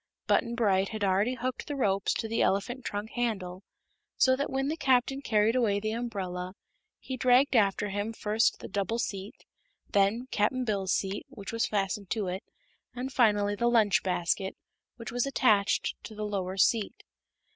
Button Bright had already hooked the ropes to the elephant trunk handle, so that when the Captain carried away the umbrella he dragged after him first the double seat, then Cap'n Bill's seat, which was fastened to it, and finally the lunch basket, which was attached to the lower seat.